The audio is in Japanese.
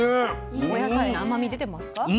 お野菜の甘味出てますか？